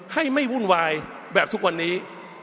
ให้ไม่วุ่นวายแบบทุกวันนี้